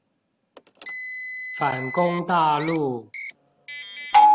反攻大陸